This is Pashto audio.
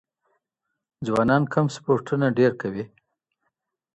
ځوانان کوم سپورتونه ډیر کوي؟